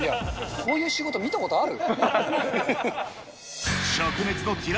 こういう仕事見たことある？